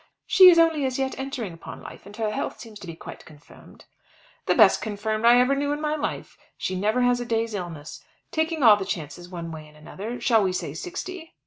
She is only as yet entering upon life, and her health seems to be quite confirmed." "The best confirmed I ever knew in my life. She never has a day's illness. Taking all the chances one way and another, shall we say sixty?"